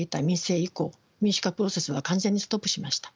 民主化プロセスは完全にストップしました。